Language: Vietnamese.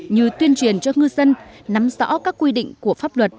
như tuyên truyền cho ngư dân nắm rõ các quy định của pháp luật